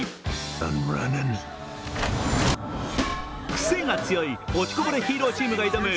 クセが強い落ちこぼれヒーローチームが挑む